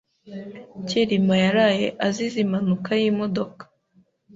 Kirima yaraye azize impanuka yimodoka .